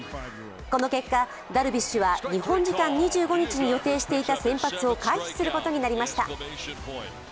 この結果、ダルビッシュは日本時間２５日に予定していた先発を回避することになりました。